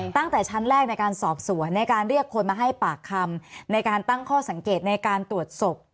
ตั้งแต่ชั้นแรกในการสอบสวนในการเรียกคนมาให้ปากคำในการตั้งข้อสังเกตในการตรวจศพ